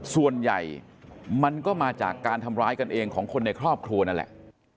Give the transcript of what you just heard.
ส่วนใหญ่มันก็มาจากการทำร้ายกันเองของคนในครอบครัวนั่นแหละ